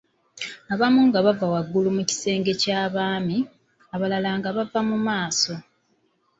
Abamu nga bava waggulu mu kisenge ky'abaami, abalala nga bava mu maaso.